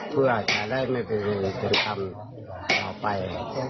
เพื่อจะได้ไม่เป็นคำเราไป